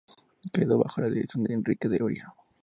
Quedó bajo la dirección de Enrique de Uría.